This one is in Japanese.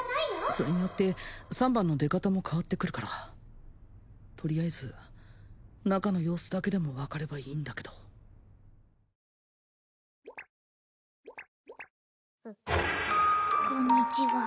それによって三番の出方も変わってくるからとりあえず中の様子だけでも分かればいいんだけどこんにちは